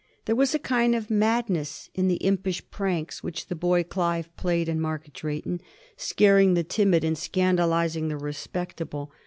There was a kind of madness in the imp ish pranks which the boy Clive played in Market Dray tou, scaring the timid and scandalizing the respectable.